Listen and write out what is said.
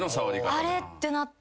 「あれ？」ってなって。